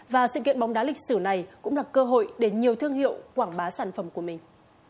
và sự kiện bóng đá lịch sử này cũng là cơ hội để nhiều thương hiệu quảng bá sản phẩm của mình